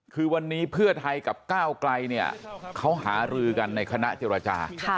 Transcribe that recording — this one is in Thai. คือวันนี้เพื่อไทยกับก้าวไกลเนี่ยเขาหารือกันในคณะเจรจา